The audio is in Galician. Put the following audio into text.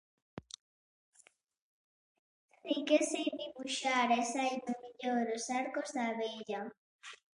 Din que sei dibuxar e sáenme mellor os arcos da vella.